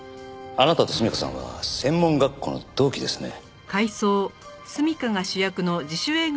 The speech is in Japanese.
あなたと純夏さんは専門学校の同期ですね。